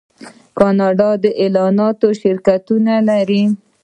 کاناډا د اعلاناتو شرکتونه لري.